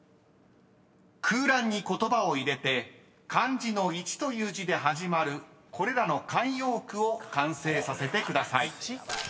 ［空欄に言葉を入れて漢字の「一」という字で始まるこれらの慣用句を完成させてください］